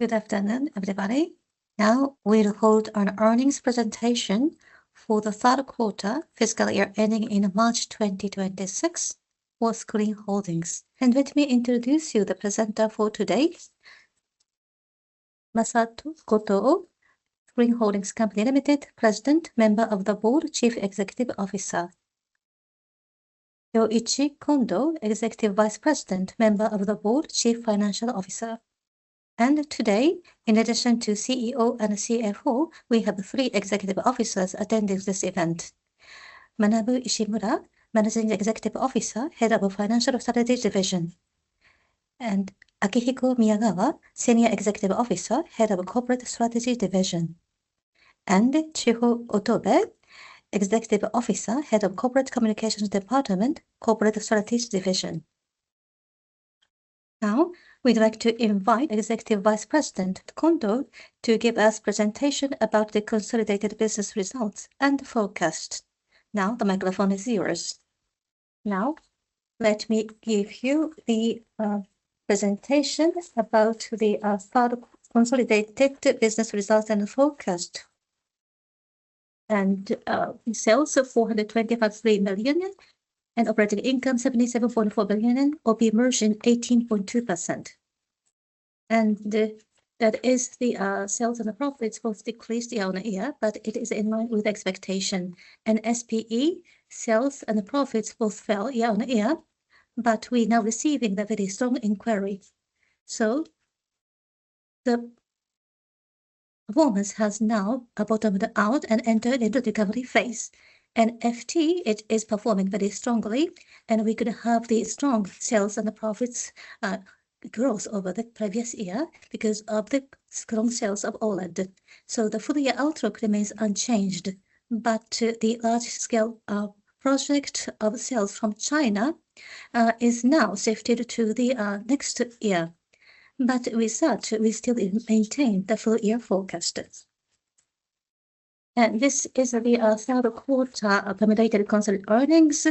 Good afternoon, everybody. Now, we'll hold an earnings presentation for the third quarter, fiscal year ending in March 2026, for SCREEN Holdings. Let me introduce you the presenter for today, Masato Goto, SCREEN Holdings Co., Ltd., President, Member of the Board, Chief Executive Officer. Yoichi Kondo, Executive Vice President, Member of the Board, Chief Financial Officer. Today, in addition to CEO and CFO, we have three executive officers attending this event. Manabu Ishimura, Managing Executive Officer, Head of Financial Strategy Division, and Akihiko Miyagawa, Senior Executive Officer, Head of Corporate Strategy Division, and Chiho Otobe, Executive Officer, Head of Corporate Communications Department, Corporate Strategy Division. Now, we'd like to invite Executive Vice President Kondo to give us presentation about the consolidated business results and forecast. Now, the microphone is yours. Now, let me give you the, presentation about the, third consolidated business results and forecast. Sales of 425 million yen, and operating income 77.4 billion yen, OP margin 18.2%. That is, sales and the profits both decreased year-on-year, but it is in line with expectation. SPE sales and the profits both fell year-on-year, but we're now receiving a very strong inquiry. So the performance has now bottomed out and entered into recovery phase. FT is performing very strongly, and we could have the strong sales and the profits growth over the previous year because of the strong sales of OLED. So the full year outlook remains unchanged, but the large scale project of sales from China is now shifted to the next year. But with that, we still maintain the full year forecast. This is the third quarter accumulated consolidated earnings.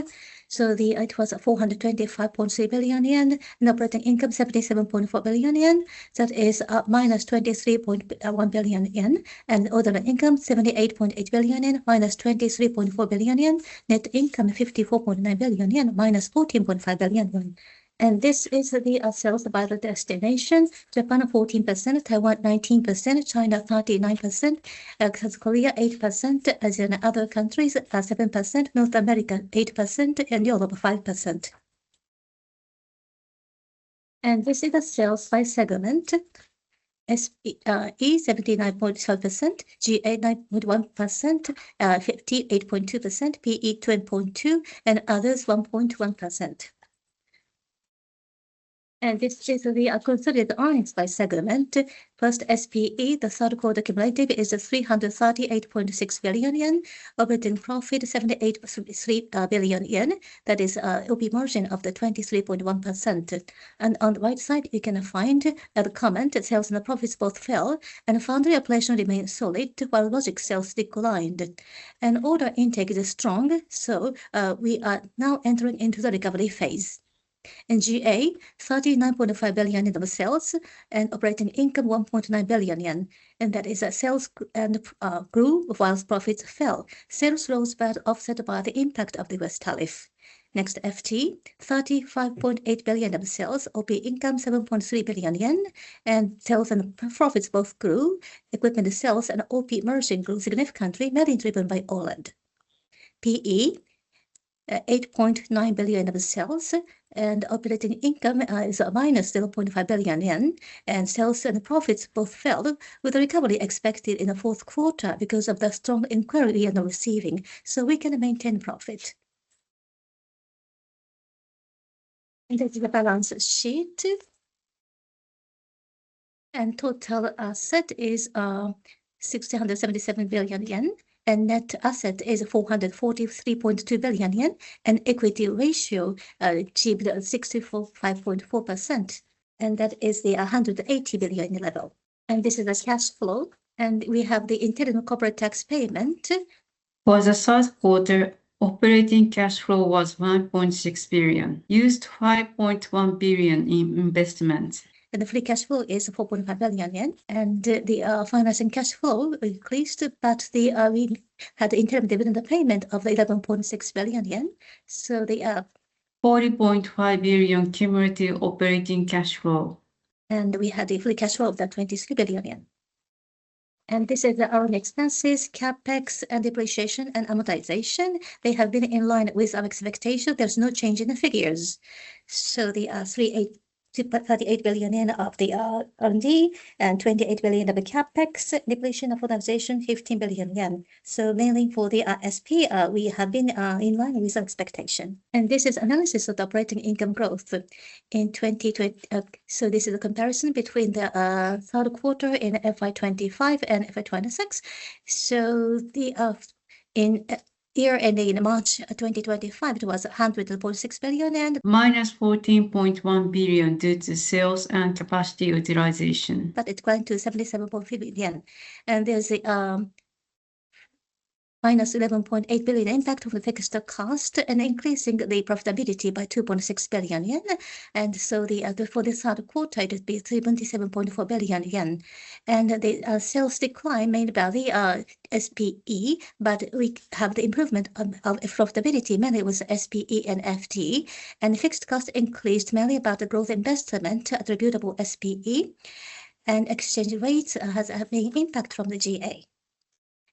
So it was 425.3 billion yen, and operating income 77.4 billion yen, that is minus 23.1 billion yen. And other income 78.8 billion yen, minus 23.4 billion yen. Net income 54.9 billion yen, minus 14.5 billion yen. And this is the sales by the destination. Japan 14%; Taiwan 19%; China 39%; South Korea 8%; Asia and other countries 7%; North America 8%; and Europe 5%. And this is the sales by segment. SPE 79.7%; GA 91%; FT 80.2%; PE 12.2%; and others 1.1%. And this is the consolidated earnings by segment. First, SPE, the third quarter cumulative is 338.6 billion yen. Operating profit, 78.3 billion yen. That is, OP margin of 23.1%. And on the right side, you can find that the comment, "The sales and the profits both fell, and foundry operation remains solid, while logic sales declined. And order intake is strong, so, we are now entering into the recovery phase." In GA, 39.5 billion yen in sales and operating income, 1.9 billion yen, and that is sales grew, while profits fell. Sales growth was offset by the impact of the U.S. tariff. Next, FT, 35.8 billion JPY of sales, OP income, 7.3 billion yen, and sales and profits both grew. Equipment sales and OP margin grew significantly, mainly driven by OLED. PE, 8.9 billion of sales and operating income is minus 0.5 billion yen, and sales and profits both fell, with a recovery expected in the fourth quarter because of the strong inquiry we are now receiving. So we can maintain profit. This is the balance sheet. Total asset is 1,677 billion yen, and net asset is 443.2 billion yen, and equity ratio achieved 65.4%, and that is the 180 billion level. This is a cash flow, and we have the internal corporate tax payment. For the third quarter, operating cash flow was 1.6 billion, used 5.1 billion in investment. The free cash flow is 4.5 billion yen, and the financing cash flow increased, but we had interim dividend payment of 11.6 billion yen. So the 40.5 billion cumulative operating cash flow. And we had the free cash flow of 23 billion yen. And this is our own expenses, CapEx and depreciation and amortization. They have been in line with our expectation. There's no change in the figures. So the 382.38 billion yen of the R&D and 28 billion of the CapEx. Depreciation and amortization, 15 billion yen. So mainly for the SP, we have been in line with our expectation. And this is analysis of the operating income growth, so this is a comparison between the third quarter in FY 2025 and FY 2026. In the year ending in March 2025, it was 100.6 billion yen Minus 14.1 billion due to sales and capacity utilization. But it went to 77.5 billion yen. There is a minus 11.8 billion impact of the fixed cost and increasing the profitability by 2.6 billion yen. For this third quarter, it would be 37.4 billion yen. The sales decline mainly by the SPE, but we have the improvement of profitability, mainly with SPE and FT. Fixed cost increased mainly about the growth investment attributable SPE, and exchange rate has a main impact from the GA.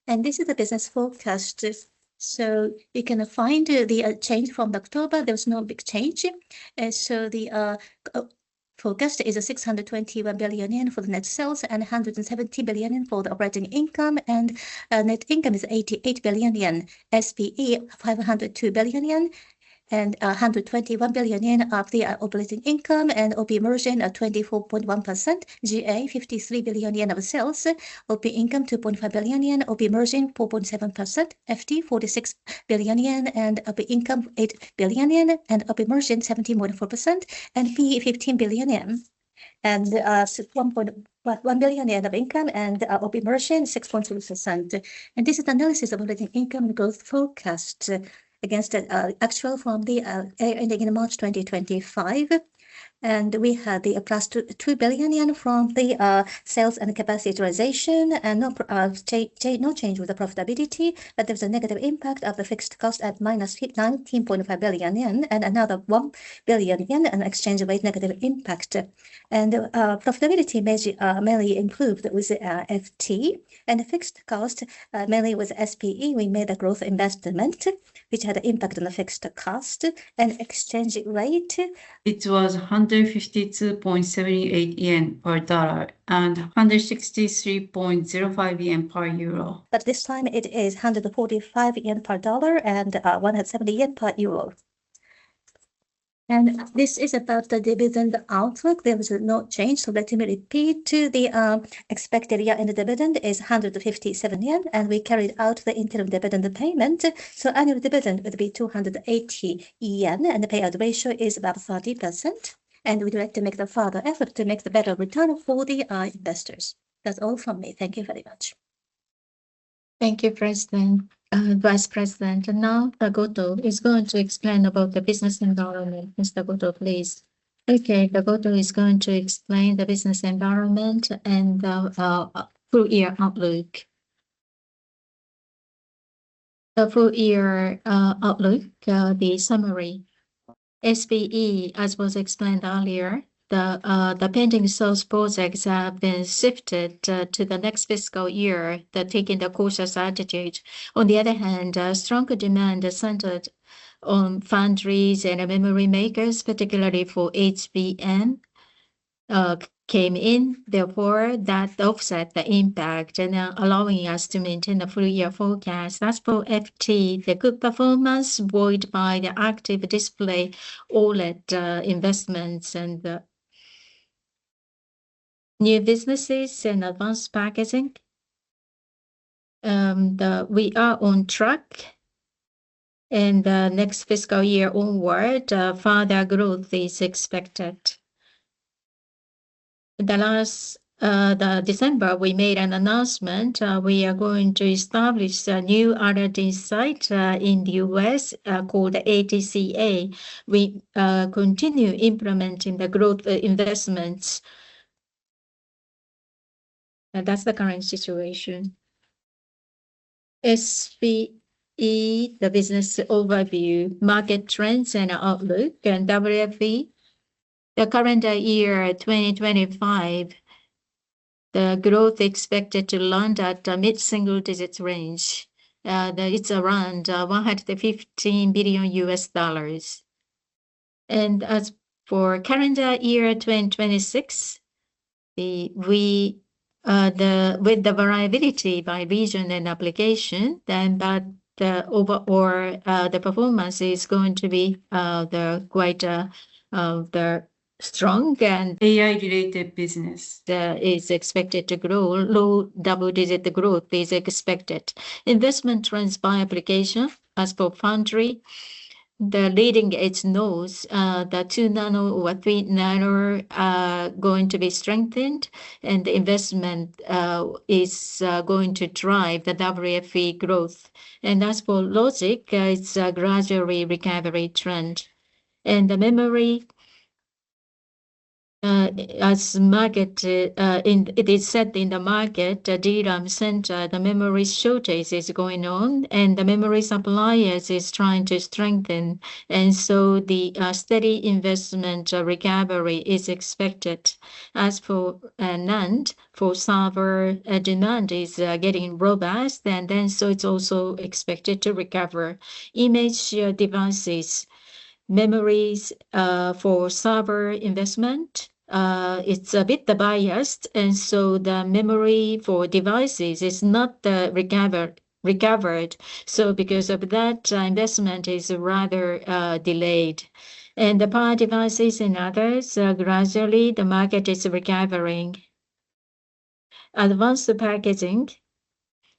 This is the business forecast. You can find the change from October; there was no big change. So the forecast is 621 billion yen for the net sales, and 170 billion yen for the operating income, and net income is 88 billion yen. SPE, 502 billion yen, and 121 billion yen of the operating income, and OP margin of 24.1%. GA, 53 billion yen of sales. OP income, 2.5 billion yen. OP margin, 4.7%. FT, 46 billion yen, and OP income, 8 billion yen, and OP margin, 17.4%. And PE, 15 billion yen, and so 1.1 billion yen of income and OP margin, 6.2%. And this is analysis of operating income growth forecast against actual from the ending in March 2025. We had the +2.2 billion yen from the sales and capacity utilization, and no change with the profitability. But there was a negative impact of the fixed cost at -19.5 billion yen, and another 1 billion yen in exchange rate negative impact. Profitability mainly improved with the FD. Fixed cost mainly with SPE, we made a growth investment, which had an impact on the fixed cost and exchange rate. It was 152.78 yen per dollar and 163.05 yen per euro. But this time it is 145 yen per dollar and one hundred and seventy yen per euro. And this is about the dividend outlook. There was no change, so let me repeat to the expected year-end dividend is 157 yen, and we carried out the interim dividend payment. So annual dividend would be 280 yen, and the payout ratio is about 30%, and we'd like to make the further effort to make the better return for the investors. That's all from me. Thank you very much. Thank you, President, Vice President. Now, Goto is going to explain about the business environment. Mr. Goto, please. Okay, Goto is going to explain the business environment and full year outlook. The full year outlook, the summary. SPE, as was explained earlier, the pending sales projects have been shifted to the next fiscal year, that taking the cautious attitude. On the other hand, a stronger demand is centered on foundries and memory makers, particularly for HBM, came in, therefore, that offset the impact and, allowing us to maintain the full year forecast. As for FT, the good performance buoyed by the active display, OLED investments and new businesses and advanced packaging. We are on track, and next fiscal year onward, further growth is expected. Last December, we made an announcement, we are going to establish a new R&D site in the U.S., called ATCA. We continue implementing the growth investments. And that's the current situation. SPE, the business overview, market trends and outlook, and WFE. The current year, 2025, the growth expected to land at a mid-single digits range, that it's around $115 billion. And as for calendar year 2026, with the variability by region and application, then that, the overall, the performance is going to be quite strong and AI-related business is expected to grow. Low double-digit growth is expected. Investment trends by application. As for foundry, the leading edge nodes, the 2nm or 3nm, are going to be strengthened, and investment is going to drive the WFE growth. And as for logic, it's a gradual recovery trend. And the memory market, it is said in the market, the DRAM sector, the memory shortage is going on, and the memory suppliers is trying to strengthen. And so the steady investment recovery is expected. As for NAND, for server demand is getting robust, and then so it's also expected to recover. Image devices, memories for server investment, it's a bit biased, and so the memory for devices is not recovered. So because of that, investment is rather delayed. And the power devices and others, gradually the market is recovering. Advanced packaging.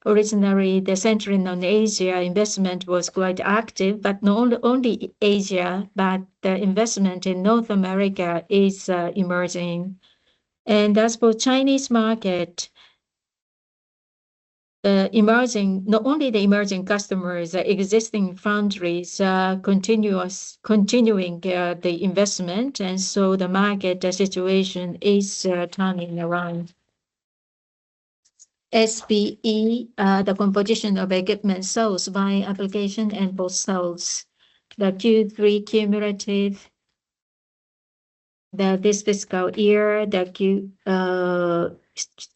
Originally, the so-called Asian investment was quite active, but not only Asia, but the investment in North America is emerging. And as for the Chinese market, emerging, not only the emerging customers, the existing foundries, continuing the investment, and so the market situation is turning around. SPE, the composition of equipment sales by application and post sales. The Q3 cumulative this fiscal year,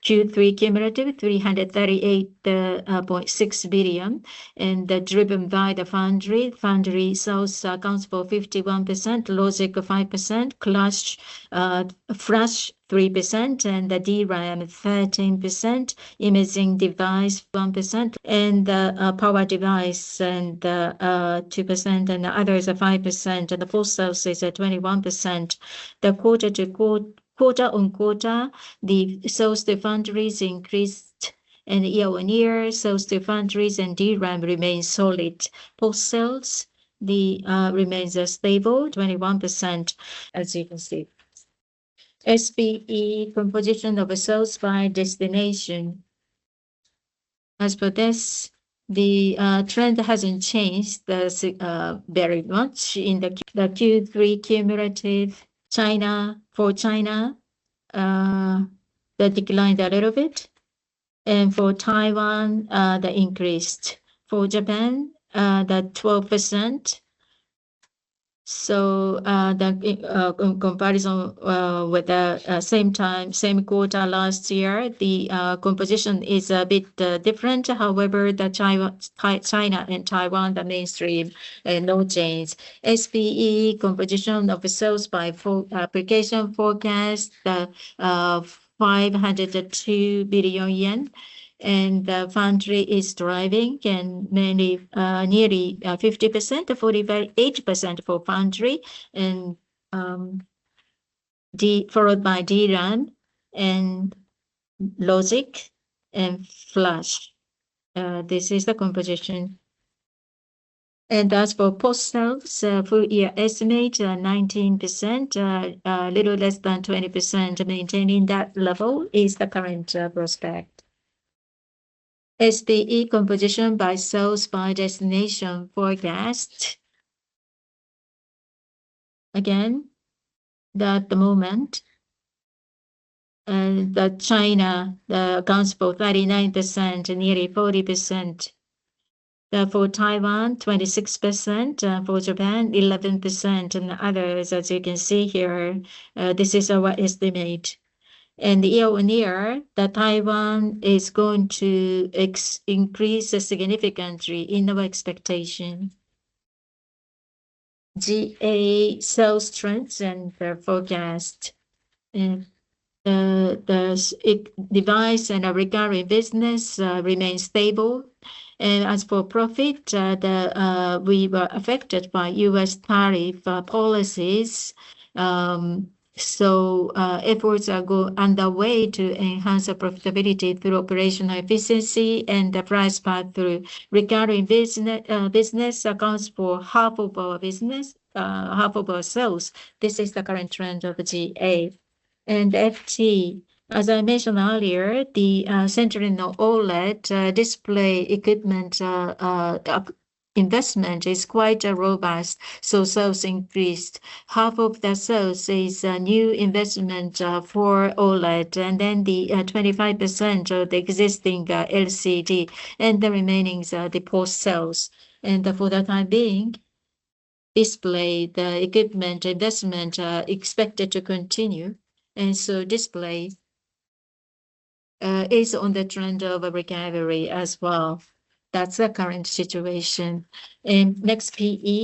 338.6 billion, and driven by the foundry. Foundry sales accounts for 51%, logic 5%, flash 3%, and the DRAM 13%, imaging device 1%, and power device 2%, and others 5%, and the post sales is 21%. Quarter-on-quarter, the sales to foundries increased, and year-on-year, sales to foundries and DRAM remain solid. Post sales remains stable, 21%, as you can see. SPE composition of sales by destination. As for this, the trend hasn't changed significantly very much in the Q1-Q3 cumulative. China, for China, they declined a little bit, and for Taiwan, they increased. For Japan, that 12%. So, the comparison with the same time, same quarter last year, the composition is a bit different. However, China and Taiwan, the mainstream, no change. SPE composition of sales by application forecast, 502 billion yen, and the foundry is driving and mainly, nearly 50%, 48% for foundry, and followed by DRAM and logic and flash. This is the composition. And as for post sales, full year estimate, 19%, little less than 20%. Maintaining that level is the current prospect. SPE composition by sales by destination forecast. Again, at the moment, that China accounts for 39%, nearly 40%. For Taiwan, 26%, for Japan, 11%, and others, as you can see here, this is our estimate. And year-on-year, the Taiwan is going to increase significantly in our expectation. GA sales trends and their forecast. The device and recovery business remains stable, and as for profit, we were affected by U.S. tariff policies. So, efforts are underway to enhance the profitability through operational efficiency and the price path through recovery business, business accounts for half of our business, half of our sales. This is the current trend of the GA. FT, as I mentioned earlier, the centering OLED display equipment investment is quite robust, so sales increased. Half of the sales is a new investment for OLED, and then the 25% of the existing LCD and the remaining the post sales. For the time being, display the equipment investment expected to continue, and so display is on the trend of recovery as well. That's the current situation. Next, PE.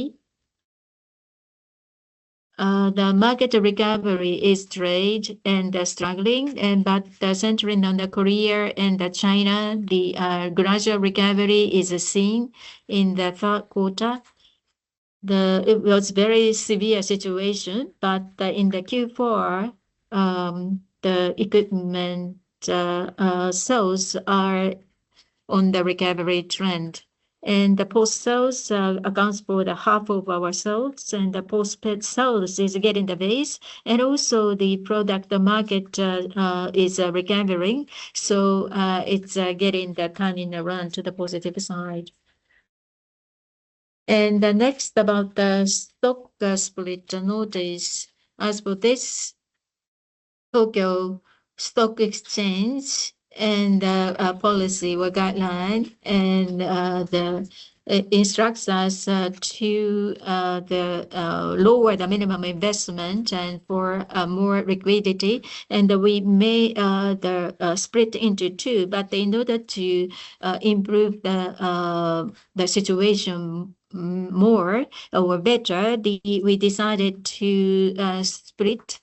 The market recovery is rather struggling, and but the centering on Korea and China, the gradual recovery is seen in the third quarter. The... It was very severe situation, but in the Q4, the equipment sales are on the recovery trend, and the post sales accounts for the half of our sales, and the post paid sales is getting the base, and also the product, the market is recovering. So, it's getting the turning around to the positive side. And the next about the stock split notice. As for this, Tokyo Stock Exchange and policy or guideline, and instructs us to lower the minimum investment and for more liquidity, and we may split into two. But in order to improve the situation more or better, we decided to split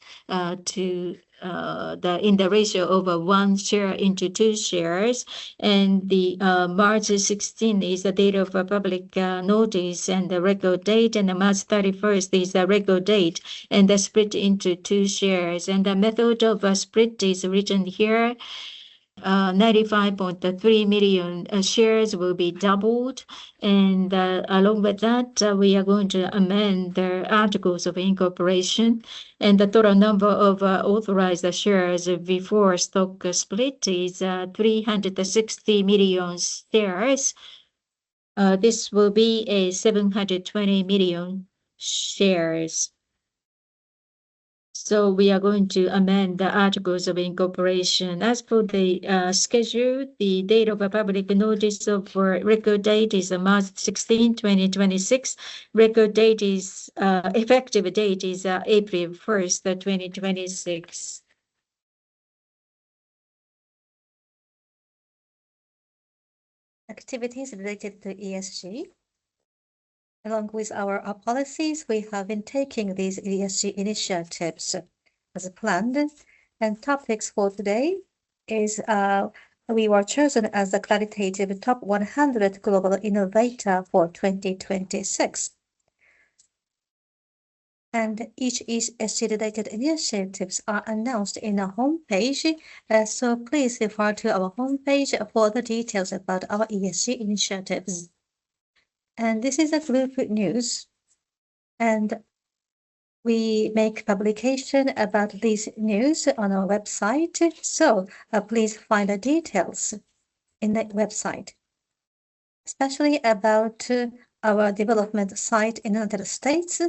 in the ratio of one share into two shares, and March 16 is the date of a public notice and the record date, and March 31 is the record date, and the split into two shares. And the method of split is written here. 95.3 million shares will be doubled. And along with that, we are going to amend the articles of incorporation. And the total number of authorized shares before stock split is 360 million shares. This will be 720 million shares. So we are going to amend the articles of incorporation. As for the schedule, the date of a public notice of record date is March 16, 2026. Record date is effective date is April 1, 2026. Activities related to ESG. Along with our policies, we have been taking these ESG initiatives as planned. Topics for today is we were chosen as a Clarivate Top 100 Global Innovator for 2026. Each ESG-related initiatives are announced in our home page. So please refer to our home page for the details about our ESG initiatives. This is a good news, and we make publication about this news on our website. Please find the details in the website, especially about our development site in the United States.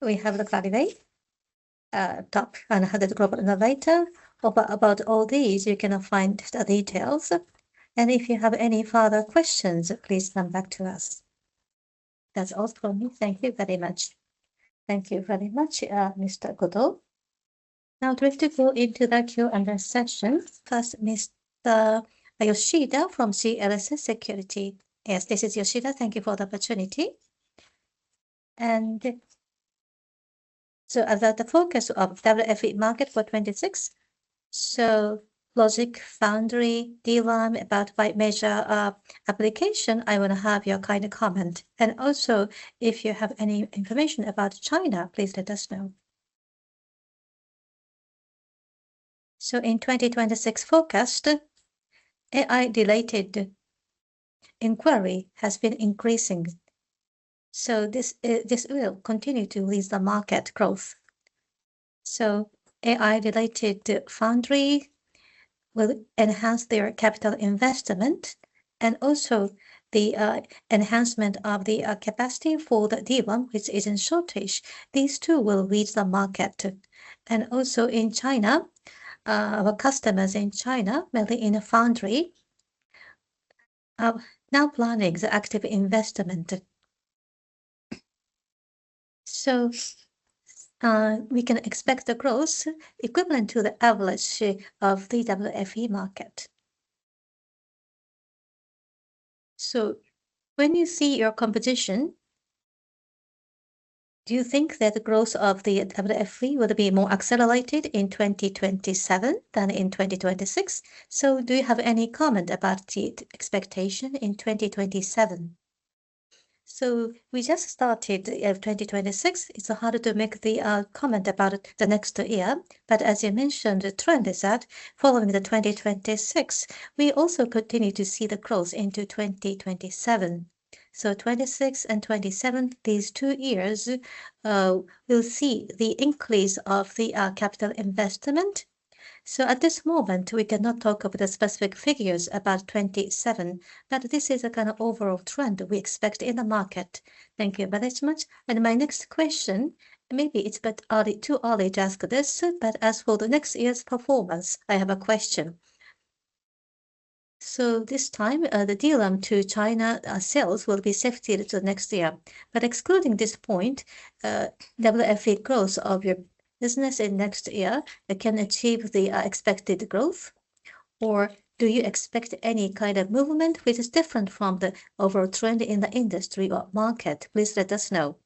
We have the Clarivate Top 100 Global Innovator. About all these, you can find the details, and if you have any further questions, please come back to us. That's all from me. Thank you very much. Thank you very much, Mr. Goto. Now we have to go into the Q&A session. First, Mr. Yoshida from CLSA Securities. Yes, this is Yoshida. Thank you for the opportunity. And so about the focus of WFE market for 2026, so logic, foundry, DRAM, about by major application, I want to have your kind comment. And also, if you have any information about China, please let us know. So in 2026 forecast, AI-related inquiry has been increasing, so this, this will continue to lead the market growth. So AI-related foundry will enhance their capital investment and also the enhancement of the capacity for the DRAM, which is in shortage. These two will lead the market. And also in China, our customers in China, mainly in the foundry, now planning the active investment. So, we can expect the growth equivalent to the average of the WFE market. So when you see your competition, do you think that the growth of the WFE will be more accelerated in 2027 than in 2026? So do you have any comment about the expectation in 2027? So we just started 2026. It's hard to make the comment about the next year, but as you mentioned, the trend is that following the 2026, we also continue to see the growth into 2027. So 2026 and 2027, these two years, we'll see the increase of the capital investment. So at this moment, we cannot talk about the specific figures about 2027, but this is a kind of overall trend we expect in the market. Thank you very much. And my next question, maybe it's a bit early, too early to ask this, but as for the next year's performance, I have a question. So this time, the DRAM to China sales will be shifted to the next year. But excluding this point, WFE growth of your business in next year, it can achieve the expected growth? Or do you expect any kind of movement which is different from the overall trend in the industry or market? Please let us know.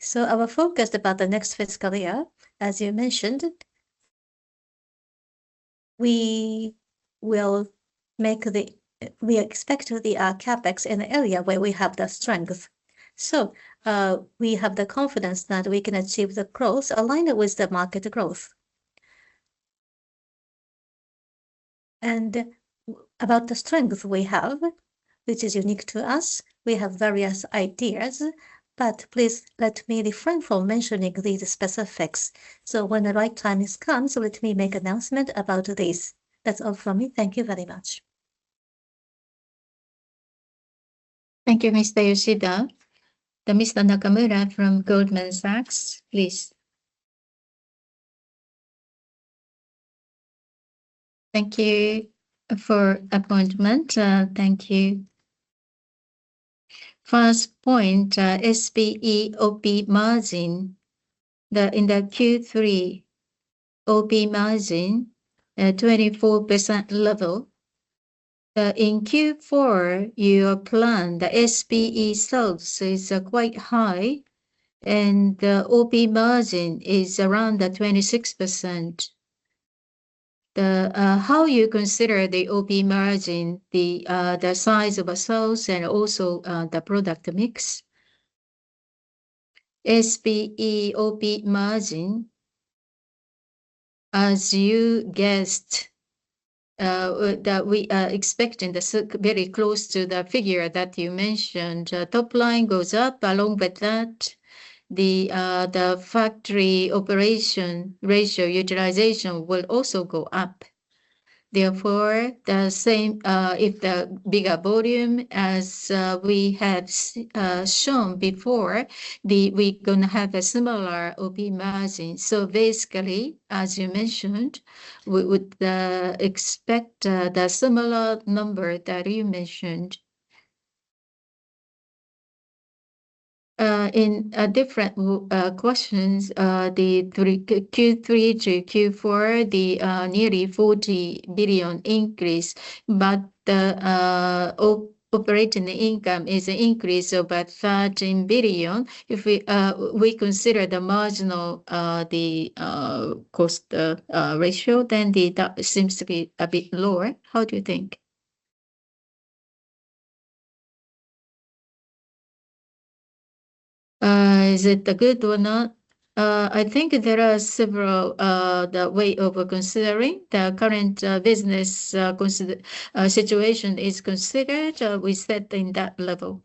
So our focus about the next fiscal year, as you mentioned, we expect the CapEx in the area where we have the strength. So, we have the confidence that we can achieve the growth aligned with the market growth. And about the strength we have, which is unique to us, we have various ideas, but please let me refrain from mentioning these specifics. So when the right time is come, so let me make announcement about this. That's all from me. Thank you very much. Thank you, Mr. Yoshida. Then Mr. Nakamura from Goldman Sachs, please. Thank you for appointment. Thank you. First point, SPE OP margin, in Q3, OP margin 24% level. In Q4, your plan, the SPE sales is quite high, and the OP margin is around the 26%. How you consider the OP margin, the size of sales and also the product mix? SPE OP margin, as you guessed, that we are expecting very close to the figure that you mentioned. Top line goes up. Along with that, the factory operation ratio utilization will also go up. Therefore, the same, if the bigger volume as we have shown before, we're gonna have a similar OP margin. So basically, as you mentioned, we would expect the similar number that you mentioned. In different questions, from Q3 to Q4, the nearly 40 billion increase, but the operating income is increased by 13 billion. If we consider the marginal cost ratio, then that seems to be a bit lower. How do you think? Is it good or not? I think there are several ways of considering the current business situation is considered, we set in that level.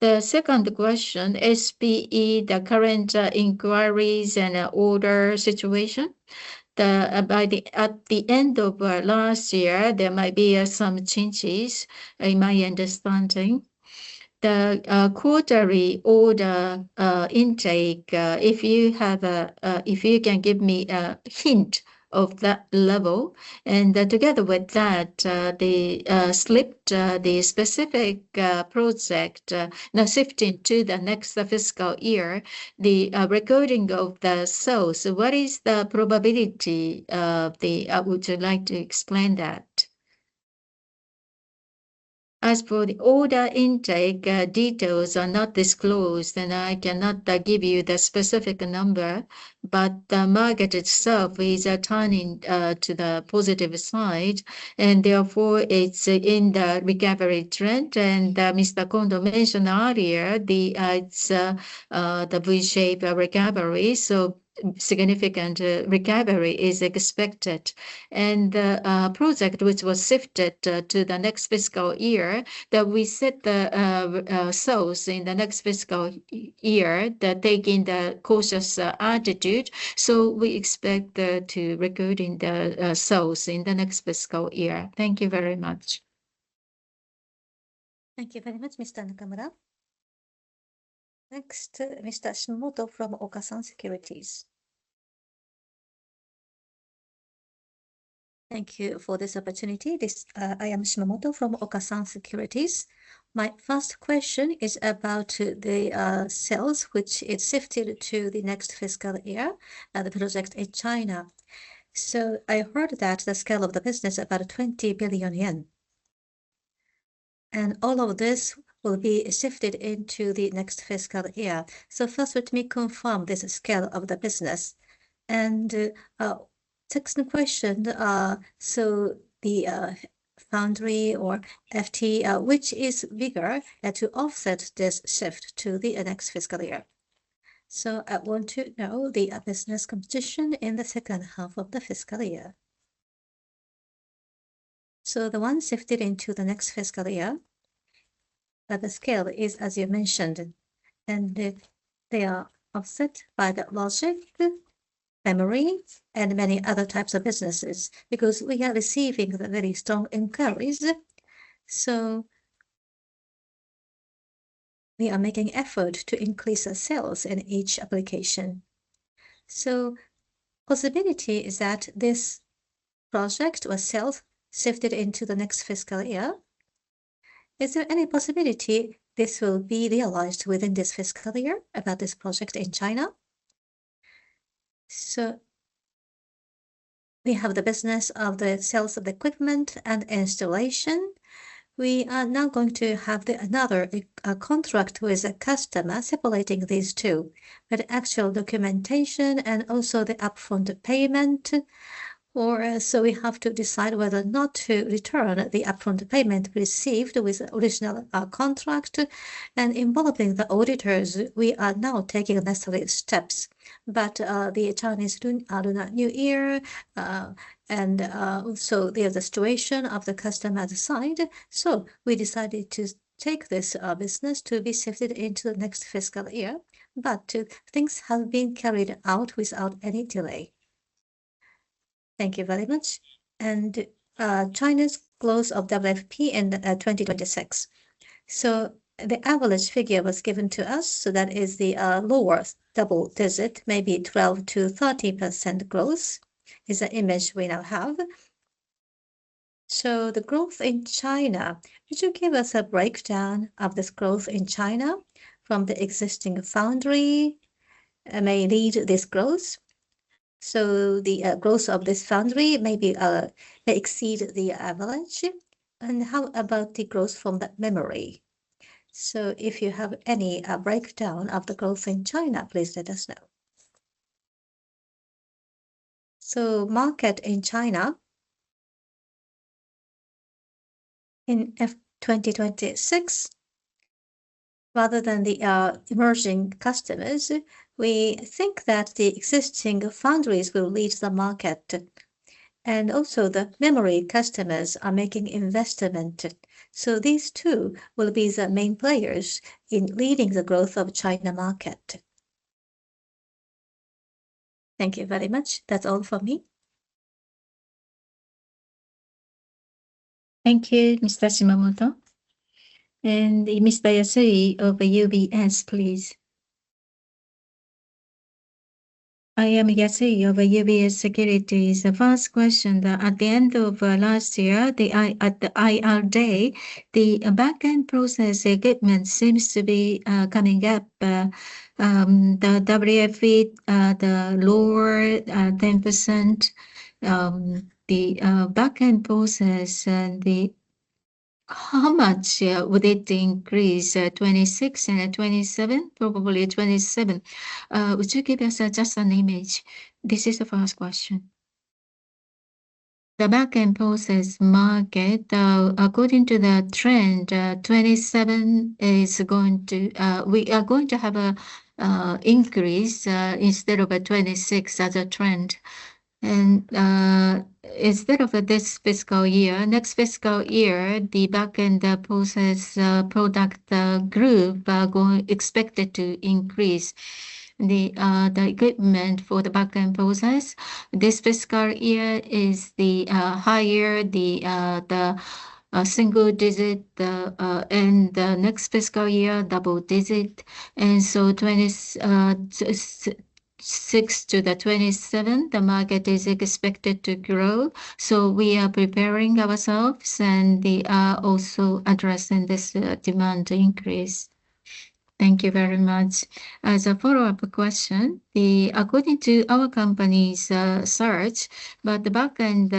The second question, SPE, the current inquiries and order situation. At the end of last year, there might be some changes in my understanding. The quarterly order intake, if you can give me a hint of that level, and together with that, the slipped, the specific project now shifted to the next fiscal year, the recording of the sales. So what is the probability of the... I would like to explain that. As for the order intake, details are not disclosed, and I cannot give you the specific number, but the market itself is turning to the positive side, and therefore, it's in the recovery trend. Mr. Kondo mentioned earlier, it's the V-shaped recovery, so significant recovery is expected. The project, which was shifted to the next fiscal year, that we set the sales in the next fiscal year, that taking the cautious attitude, so we expect to record sales in the next fiscal year. Thank you very much. Thank you very much, Mr. Nakamura. Next, Mr. Shimamoto from Okasan Securities. Thank you for this opportunity. This, I am Shimamoto from Okasan Securities. My first question is about the sales, which is shifted to the next fiscal year, the project in China. So I heard that the scale of the business about 20 billion yen, and all of this will be shifted into the next fiscal year. So first, let me confirm this scale of the business. And, second question, so the foundry or FT, which is bigger, to offset this shift to the next fiscal year? So I want to know the business competition in the second half of the fiscal year. So the one shifted into the next fiscal year, the scale is, as you mentioned, and they are offset by the logic, memory, and many other types of businesses, because we are receiving very strong inquiries. So we are making effort to increase our sales in each application. So possibility is that this project or sales shifted into the next fiscal year. Is there any possibility this will be realized within this fiscal year about this project in China? So we have the business of the sales of equipment and installation. We are now going to have another contract with a customer separating these two, with actual documentation and also the upfront payment. Or so we have to decide whether or not to return the upfront payment received with original contract. And involving the auditors, we are now taking necessary steps. But, the Chinese Lunar New Year, and so there's the situation of the customer side. So we decided to take this business to be shifted into the next fiscal year, but things have been carried out without any delay. Thank you very much. And, China's growth of WFE in 2026. So the average figure was given to us, so that is the lower double-digit, maybe 12%-30% growth, is the image we now have. So the growth in China, could you give us a breakdown of this growth in China from the existing foundry, may lead this growth? So the growth of this foundry maybe exceed the average. And how about the growth from that memory? So if you have any breakdown of the growth in China, please let us know. So market in China, in F2026, rather than the emerging customers, we think that the existing foundries will lead the market, and also the memory customers are making investment. So these two will be the main players in leading the growth of China market. Thank you very much. That's all for me. Thank you, Mr. Shimamoto. And Mr. Yasui of UBS, please. I am Yasui of UBS Securities. The first question, that at the end of last year, at the IR day, the backend process equipment seems to be coming up, the WFE, the lower 10%, the backend process and the, how much would it increase, 2026 and 2027? Probably 2027. Would you give us just an image? This is the first question. The backend process market, according to the trend, 2027 is going to, we are going to have a increase, instead of a 2026 as a trend. And, instead of this fiscal year, next fiscal year, the backend process product group are expected to increase. The equipment for the backend process this fiscal year is the higher single digit, and the next fiscal year, double digit. And so 2026 to 2027, the market is expected to grow. So we are preparing ourselves, and we are also addressing this demand increase. Thank you very much. As a follow-up question, according to our company's search, the backend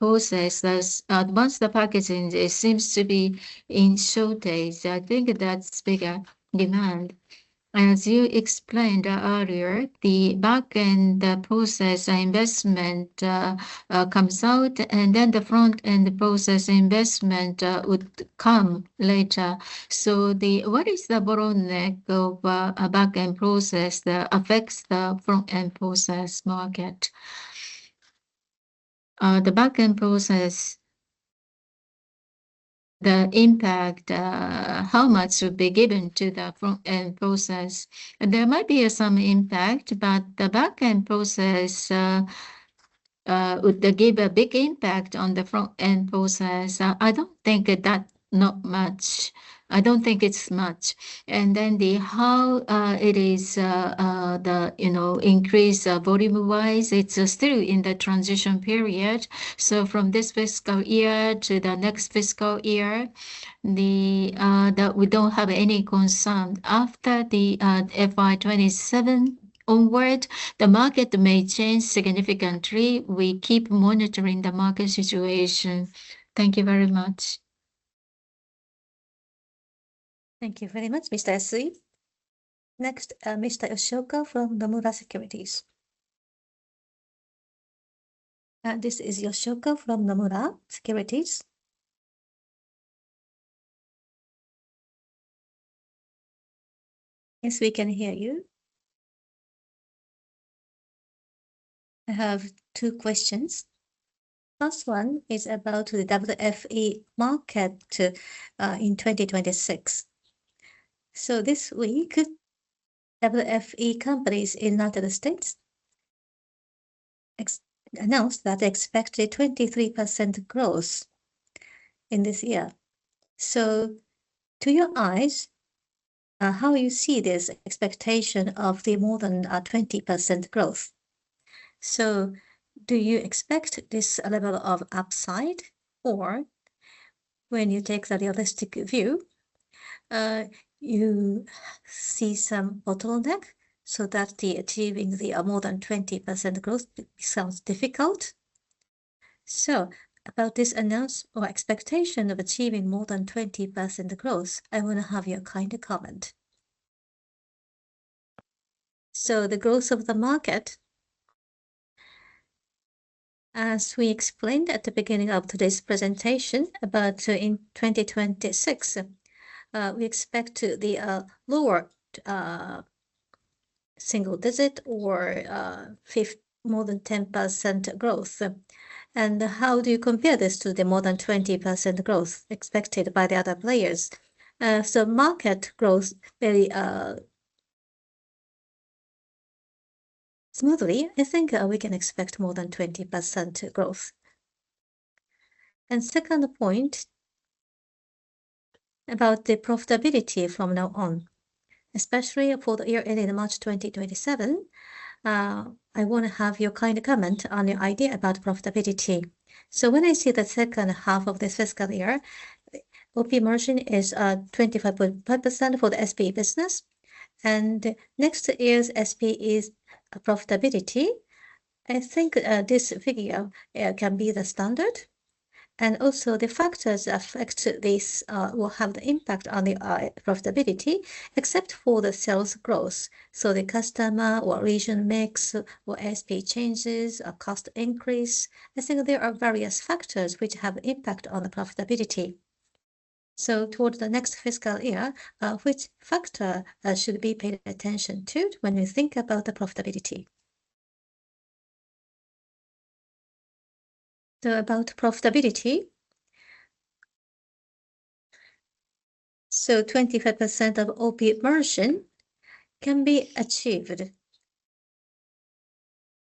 process as advanced packaging, it seems to be in shortage. I think that's bigger demand. As you explained earlier, the backend process investment comes out, and then the frontend process investment would come later. So what is the bottleneck of a backend process that affects the frontend process market? The backend process, the impact, how much would be given to the frontend process? There might be some impact, but the backend process would give a big impact on the frontend process. I don't think that, that not much. I don't think it's much. And then how it is, you know, increase volume wise, it's still in the transition period. So from this fiscal year to the next fiscal year, the, we don't have any concern. After the FY 2027 onward, the market may change significantly. We keep monitoring the market situation. Thank you very much. Thank you very much, Mr. Yasui. Next, Mr. Yoshioka from Nomura Securities. This is Yoshioka from Nomura Securities. Yes, we can hear you. I have two questions. First one is about the WFE market in 2026. This week, WFE companies in the U.S. announced that expected 23% growth in this year. To your eyes, how you see this expectation of the more than 20% growth? Do you expect this level of upside, or when you take the realistic view, you see some bottleneck so that the achieving the more than 20% growth sounds difficult? About this announcement or expectation of achieving more than 20% growth, I want to have your kind comment. The growth of the market, as we explained at the beginning of today's presentation, about in 2026, we expect the lower single digit or more than 10% growth. How do you compare this to the more than 20% growth expected by the other players? So market growth very smoothly, I think, we can expect more than 20% growth. Second point about the profitability from now on, especially for the year ending March 2027, I want to have your kind comment on your idea about profitability. So when I see the second half of this fiscal year, OP margin is 25.5% for the SPE business, and next year's SPE's profitability, I think, this figure can be the standard. And also the factors affect this will have the impact on the profitability, except for the sales growth. So the customer or region mix or SPE changes or cost increase. I think there are various factors which have impact on the profitability. So towards the next fiscal year, which factor should be paid attention to when we think about the profitability? So about profitability, so 25% OP margin can be achieved.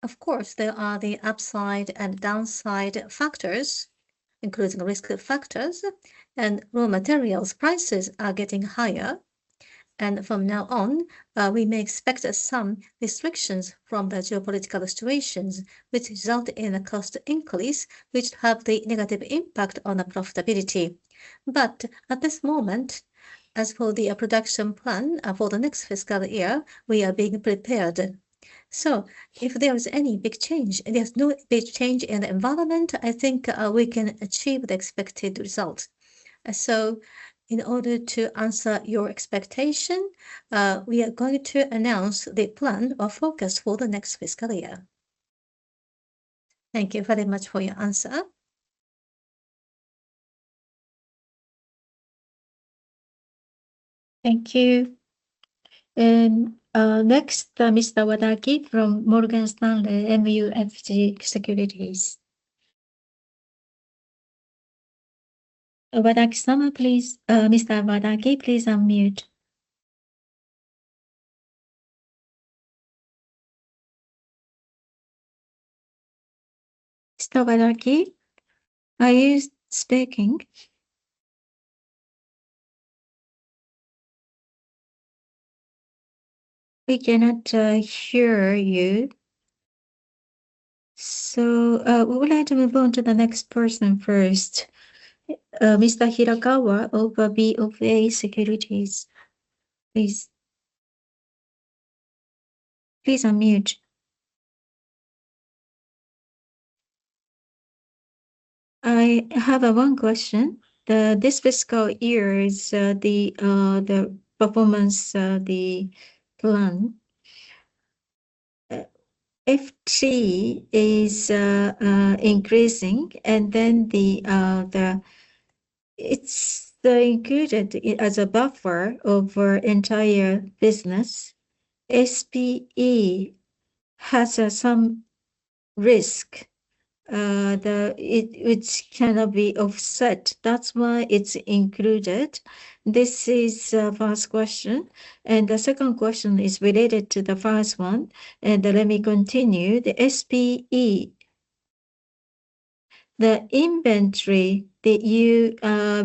Of course, there are the upside and downside factors, including risk factors, and raw materials prices are getting higher. And from now on, we may expect some restrictions from the geopolitical situations, which result in a cost increase, which have the negative impact on the profitability. But at this moment, as for the production plan for the next fiscal year, we are being prepared. So if there is any big change, there's no big change in the environment, I think, we can achieve the expected result. So in order to answer your expectation, we are going to announce the plan or focus for the next fiscal year. Thank you very much for your answer. Thank you. And next, Mr. Wadaki from Morgan Stanley MUFG Securities. Wadaki-sama, please, Mr. Wadaki, please unmute. Mr. Wadaki, are you speaking? We cannot hear you. So, we would like to move on to the next person first. Mr. Hirakawa of BofA Securities, please. Please unmute. I have one question. This fiscal year is the performance, the plan. FT is increasing, and then the-- it's the included as a buffer over entire business. SPE has some risk, the it, it cannot be offset. That's why it's included. This is the first question, and the second question is related to the first one, and let me continue. The SPE, the inventory that you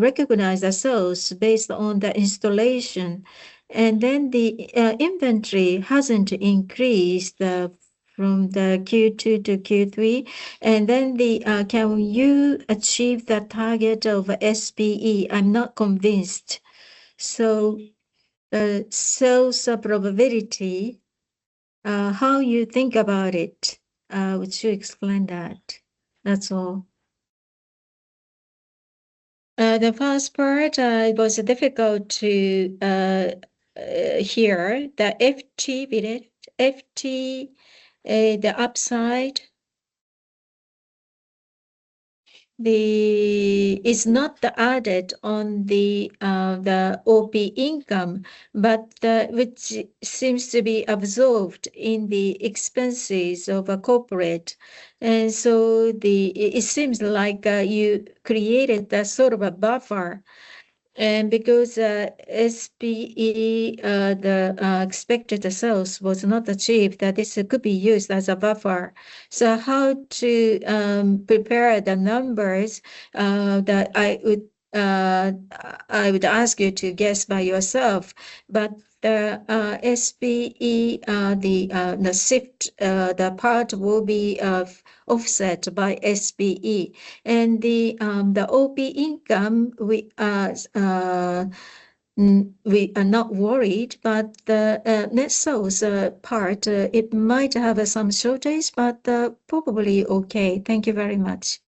recognize the sales based on the installation, and then the inventory hasn't increased from Q2 to Q3, and then... Can you achieve the target of SPE? I'm not convinced. So, sales probability, how you think about it? Would you explain that? That's all. The first part, it was difficult to hear. The FT, FT, the upside. It is not added on the OP income, but which seems to be absorbed in the expenses of a corporate. It seems like you created a sort of a buffer. Because SPE expected sales was not achieved, that this could be used as a buffer. So how to prepare the numbers, that I would ask you to guess by yourself, but the SPE the shift the part will be offset by SPE. The OP income, we are not worried, but the net sales part it might have some shortage, but probably okay. Thank you very much.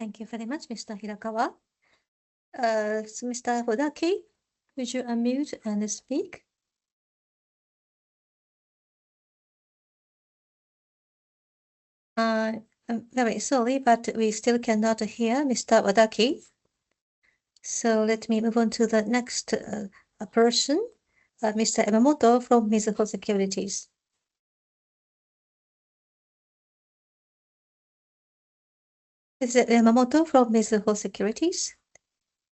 Thank you very much, Mr. Hirakawa. Mr. Wadaki, would you unmute and speak? I'm very sorry, but we still cannot hear Mr. Wadaki. So let me move on to the next person, Mr. Yamamoto from Mizuho Securities. Mr. Yamamoto from Mizuho Securities,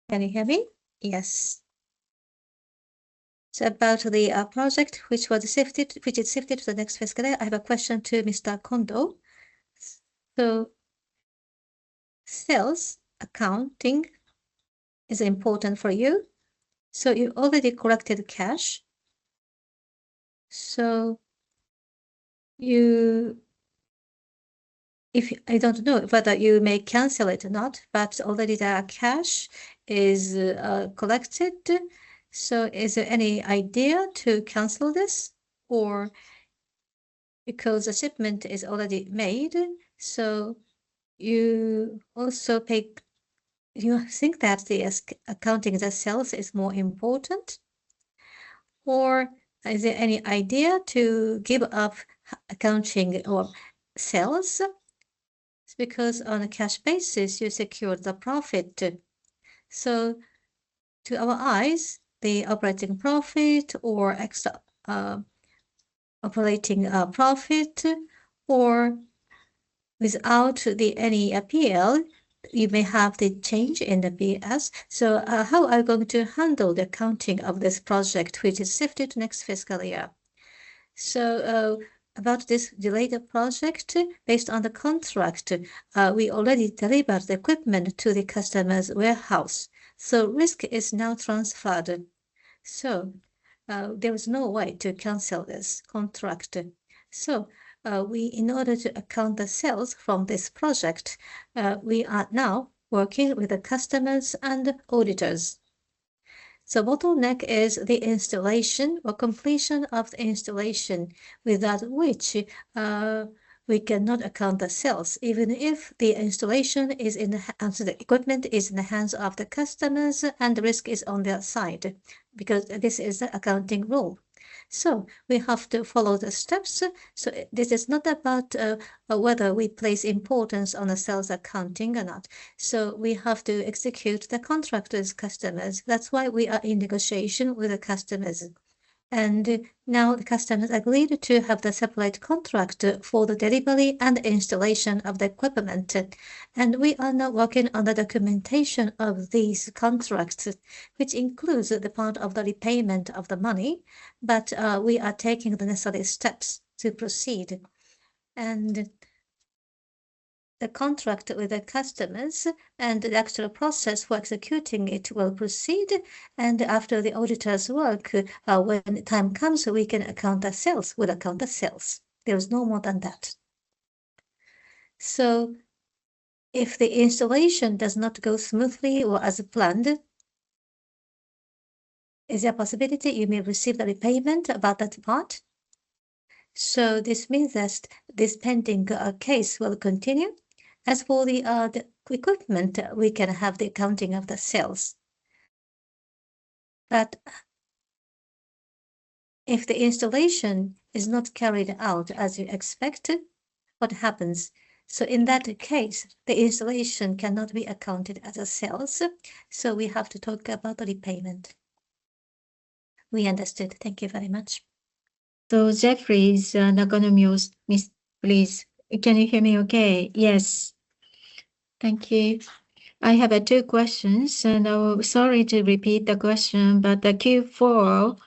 can you hear me? Yes. So about the project which was shifted, which is shifted to the next fiscal year, I have a question to Mr. Kondo. So sales accounting is important for you. So you already collected cash, so you-- if I don't know whether you may cancel it or not, but already the cash is collected. So is there any idea to cancel this?... or because the shipment is already made, so you also pick- you think that the accounting, the sales is more important, or is there any idea to give up accounting or sales? It's because on a cash basis, you secure the profit. So to our eyes, the operating profit or operating profit, or without the any appeal, you may have the change in the BS. So, how are you going to handle the accounting of this project, which is shifted to next fiscal year? So, about this delayed project, based on the contract, we already delivered the equipment to the customer's warehouse, so risk is now transferred. So, there is no way to cancel this contract. So, we, in order to account the sales from this project, we are now working with the customers and auditors. So the bottleneck is the installation or completion of the installation, without which we cannot account for the sales, even if the installation is in the hands and the equipment is in the hands of the customers, and the risk is on their side, because this is the accounting rule. So we have to follow the steps. So this is not about whether we place importance on the sales accounting or not. So we have to execute the contract with customers. That's why we are in negotiation with the customers. And now, the customers agreed to have the separate contract for the delivery and installation of the equipment, and we are now working on the documentation of these contracts, which includes the part of the repayment of the money. But we are taking the necessary steps to proceed. The contract with the customers and the actual process for executing it will proceed, and after the auditors work, when the time comes, we can account the sales. We'll account the sales. There is no more than that. So if the installation does not go smoothly or as planned, is there a possibility you may receive the repayment about that part? So this means that this pending case will continue. As for the equipment, we can have the accounting of the sales. But if the installation is not carried out as you expected, what happens? So in that case, the installation cannot be accounted as a sales, so we have to talk about the repayment. We understood. Thank you very much. So Masahiro Nakanomyo, please. Can you hear me okay? Yes. Thank you. I have two questions, and sorry to repeat the question, but the Q4,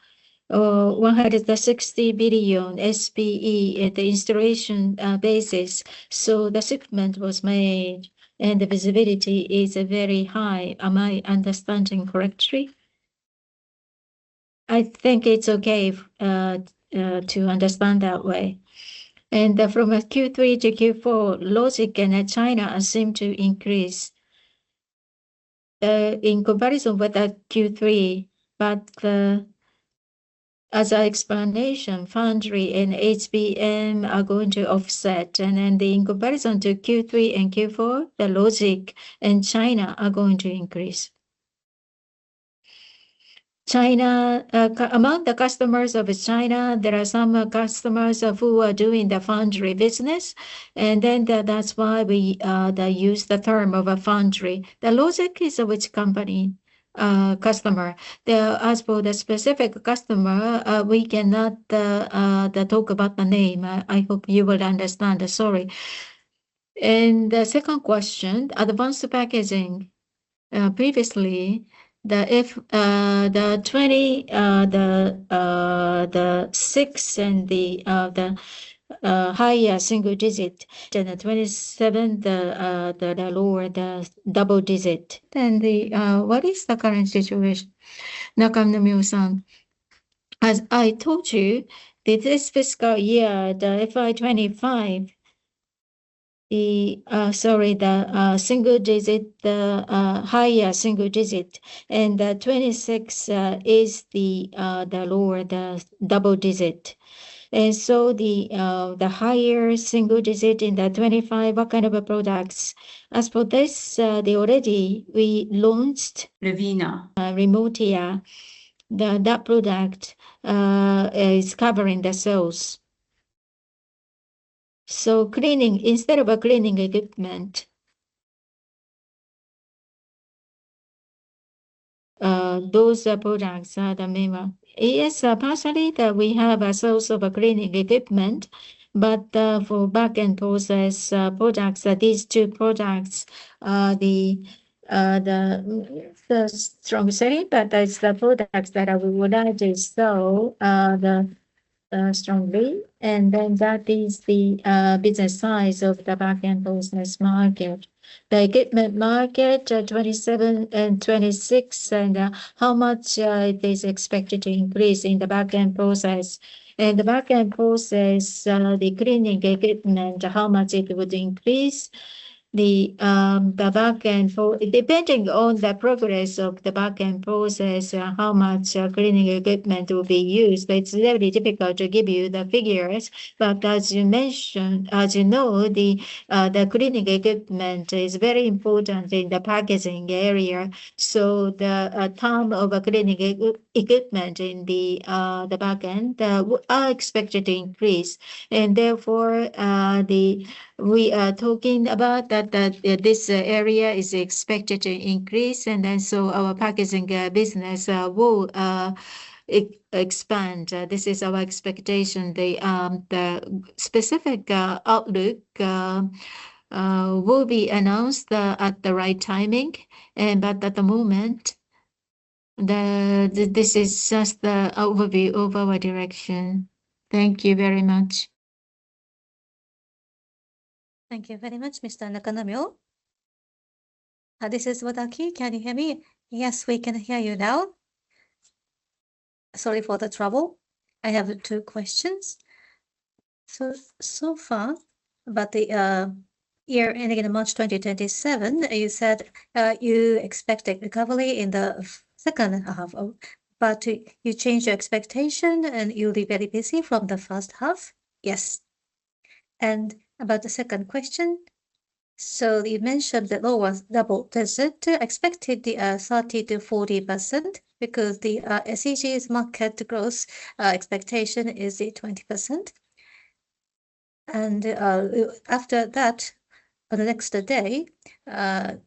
160 billion SPE at the installation basis, so the shipment was made, and the visibility is very high. Am I understanding correctly? I think it's okay to understand that way. And from Q3 to Q4, logic in China seem to increase in comparison with the Q3, but as an explanation, foundry and HBM are going to offset, and then in comparison to Q3 and Q4, the logic in China are going to increase. China, among the customers of China, there are some customers who are doing the foundry business, and then that, that's why we they use the term of a foundry. The logic is which company customer. As for the specific customer, we cannot talk about the name. I hope you will understand. Sorry. And the second question, advanced packaging. Previously, the 2026 and the higher single digit, then the 2027, the lower double digit, then... What is the current situation, Nakanomyo-san? As I told you, this fiscal year, the FY 2025, sorry, the higher single digit, and the 2026 is the lower double digit. And so the higher single digit in the 2025, what kind of a products? As for this, they already, we launched LeVina, Lemotia. That product is covering the cells. Cleaning, instead of cleaning equipment, those products are the main one. Yes, partially, that we have a source of cleaning equipment, but for back-end process products, these two products, the strong say, but that's the products that we would like to sell strongly, and then that is the business size of the back-end business market. The equipment market, 27 and 26, and how much it is expected to increase in the back-end process? In the back-end process, the cleaning equipment, how much it would increase? The back end for, depending on the progress of the back end process, how much cleaning equipment will be used, but it's very difficult to give you the figures. But as you mentioned, as you know, the cleaning equipment is very important in the packaging area. So the term of a cleaning equipment in the back end are expected to increase. And therefore, we are talking about that this area is expected to increase, and then so our packaging business will expand. This is our expectation. The specific outlook will be announced at the right timing, but at the moment, this is just the overview of our direction. Thank you very much. Thank you very much, Mr. Nakanomyo. This is Wadaki. Can you hear me? Yes, we can hear you now. Sorry for the trouble. I have two questions. So far, about the year ending in March 2027, you said you expect a recovery in the second half, but you changed your expectation, and you'll be very busy from the first half? Yes. About the second question, so you mentioned the lower double digit, expected the 30%-40% because the SEG's market growth expectation is 20%. And after that, on the next day, part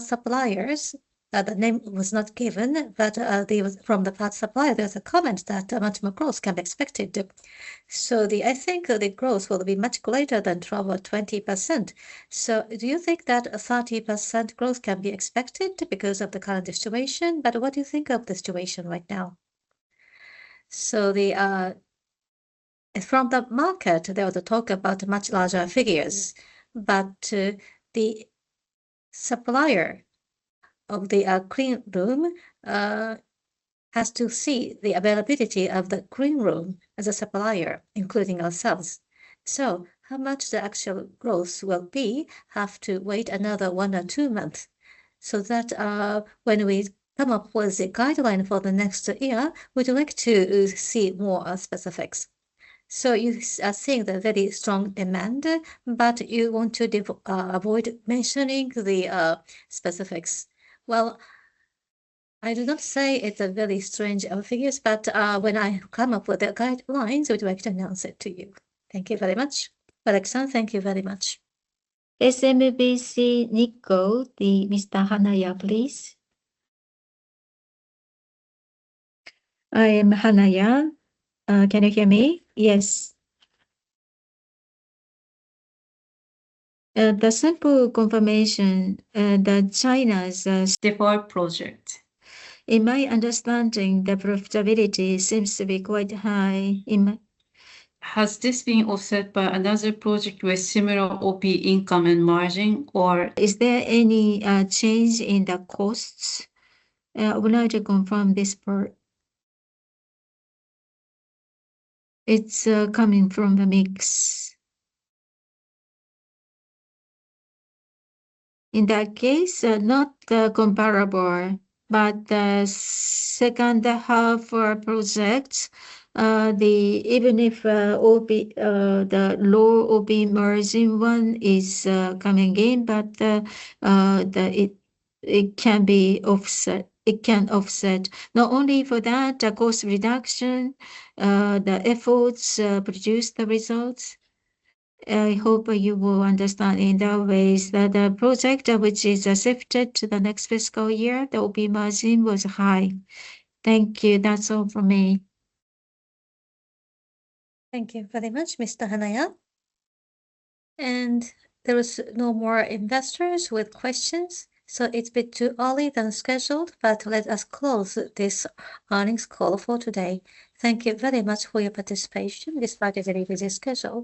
suppliers, the name was not given, but they was from the part supplier, there's a comment that a much more growth can be expected. So I think the growth will be much greater than from our 20%. So do you think that a 30% growth can be expected because of the current situation? But what do you think of the situation right now? So, from the market, there was a talk about much larger figures. But, the supplier of the clean room has to see the availability of the clean room as a supplier, including ourselves. So how much the actual growth will be, have to wait another 1 or 2 months. So that, when we come up with the guideline for the next year, we'd like to see more specifics. You are seeing the very strong demand, but you want to avoid mentioning the specifics. Well, I do not say it's a very strange figures, but when I come up with the guidelines, we'd like to announce it to you. Thank you very much. Alexa, thank you very much. SMBC Nikko, Mr. Hanaya, please. I am Hanaya. Can you hear me? Yes. The simple confirmation that China's default project. In my understanding, the profitability seems to be quite high in... Has this been offset by another project with similar OP income and margin, or is there any change in the costs? Would like to confirm this part. It's coming from the mix. In that case, not comparable, but the second half our projects, the even if OP the low OP margin one is coming in, but the it it can be offset. It can offset not only for that, the cost reduction the efforts produce the results. I hope you will understand in that ways that the project, which is shifted to the next fiscal year, the OP margin was high. Thank you. That's all for me. Thank you very much, Mr. Hanaya. There is no more investors with questions, so it's a bit too early than scheduled, but let us close this earnings call for today. Thank you very much for your participation, despite the very busy schedule.